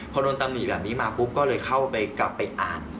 พอโดนตำหนิแบบนี้มาปุ๊บก็เลยเข้าไปกลับไปอ่าน